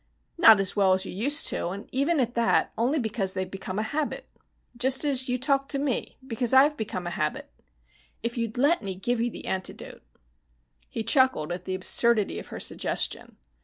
"Not as well as you used to, and even at that, only because they've become a habit. Just as you talk to me, because I've become a habit. If you'd let me give you the antidote " He chuckled at the absurdity of her suggestion.